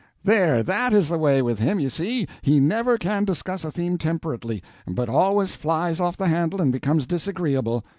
"There, that is the way with him, you see; he never can discuss a theme temperately, but always flies off the handle and becomes disagreeable.